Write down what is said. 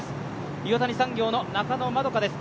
岩谷産業の中野円花です。